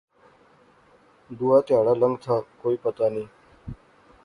دوہا تہاڑا لنگتھا کوئی پتہ نیں